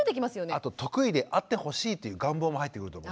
あと得意であってほしいという願望も入ってくると思います。